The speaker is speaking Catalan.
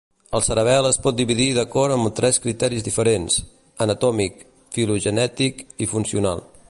El cerebel es pot dividir d'acord amb tres criteris diferents: anatòmic, filogenètic i funcional.